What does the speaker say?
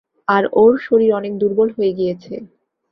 আর ওর শরীর অনেক দূর্বল হয়ে গিয়েছে।